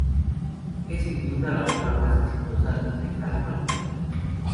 Es sin duda la obra más exitosa de Kálmán.